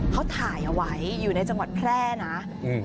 เขาถ่ายเอาไว้อยู่ในจังหวัดแพร่นะอืม